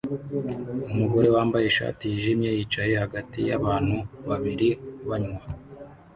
Umugore wambaye ishati yijimye yicaye hagati yabantu babiri banywa